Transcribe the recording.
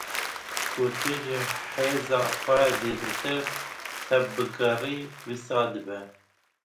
Ku tu ji hêza xwe zêdetir tevbigerî wisa dibe.